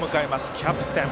キャプテン。